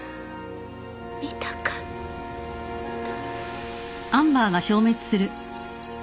見たかった。